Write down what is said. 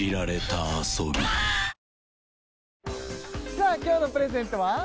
さあ今日のプレゼントは？